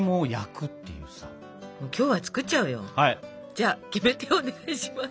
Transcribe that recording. じゃあキメテお願いします。